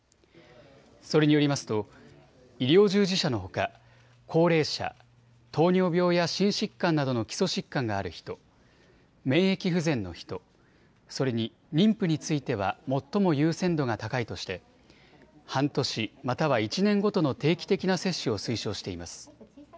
それによりますと医療従事者のほか、高齢者、糖尿病や心疾患などの基礎疾患がある人、免疫不全の人、それに妊婦については最も優先度が高いとして半年または１年ごとの定期的な接種を推奨しています。